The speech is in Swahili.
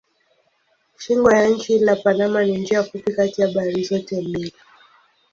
Shingo ya nchi la Panama ni njia fupi kati ya bahari zote mbili.